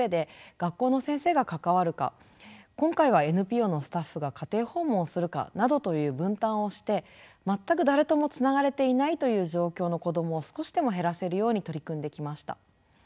今回はＮＰＯのスタッフが家庭訪問をするかなどという分担をして全く誰ともつながれていないという状況の子どもを少しでも減らせるように取り組んできました。